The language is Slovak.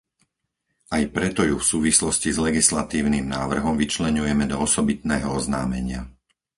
Aj preto ju v súvislosti s legislatívnym návrhom vyčleňujeme do osobitného oznámenia.